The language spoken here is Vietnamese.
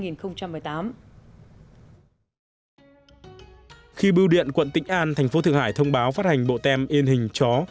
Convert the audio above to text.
năm hai nghìn một mươi tám khi bưu điện quận tĩnh an thành phố thượng hải thông báo phát hành bộ tem in hình chó